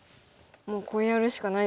もうこうやるしかないですよね。